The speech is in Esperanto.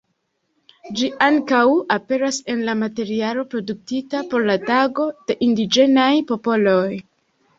Ĝi ankaŭ aperas en la materialo produktita por la Tago de indiĝenaj popoloj.